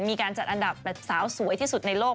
มีการจัดอันดับแบบสาวสวยที่สุดในโลก